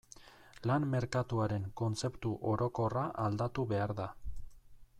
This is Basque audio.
Lan merkatuaren kontzeptu orokorra aldatu behar da.